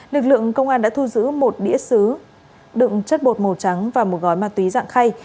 lực lượng công an đã thu giữ một đĩa xứ đựng chất bột màu trắng và một gói ma túy dạng khay